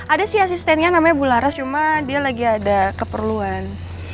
ada sih asistennya namanya bularas cuma dia lagi ada keperluan